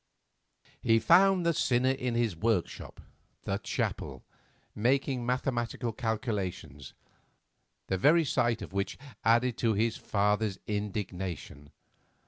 He found the sinner in his workshop, the chapel, making mathematical calculations, the very sight of which added to his father's indignation.